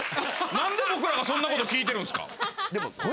なんで僕らがそんなこと聞いてるんですか。